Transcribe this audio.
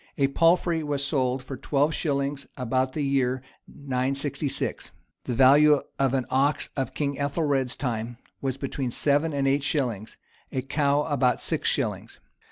[] A palfrey was sold for twelve shillings about the year 966.[] The value of an ox in King Ethel ed's[ word?] time was between seven and eight shillings; a cow about six shillings.